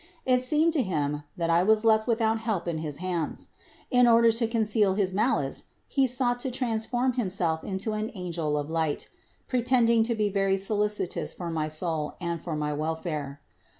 It seemed to him, that I was left without help in his hands. In order to conceal his malice, he sought to transform himself into an angel of light, pretending to be very solicitous for my soul and for my welfare.